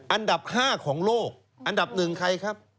อันดับ๕ของโลกอันดับหนึ่งใครครับ